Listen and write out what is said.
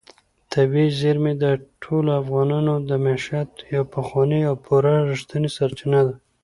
طبیعي زیرمې د ټولو افغانانو د معیشت یوه پخوانۍ او پوره رښتینې سرچینه ده.